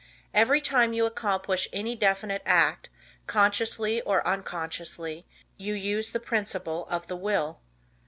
Every time you accomplish any definite act, consciously or unconsciously, you use the principle of the Will.